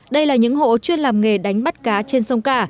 đây là những hộ chuyên làm nghề đánh bắt cá trên sông cả